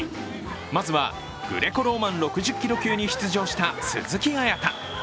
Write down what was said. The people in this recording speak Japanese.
まずはグレコローマン６０キロ級に出場した鈴木絢大。